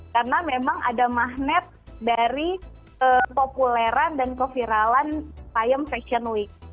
karena memang ada magnet dari kepopuleran dan keviralan tayam fashion week